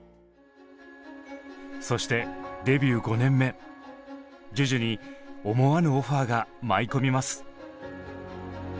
そしてデビュー５年目ＪＵＪＵに思わぬオファーが舞い込みます。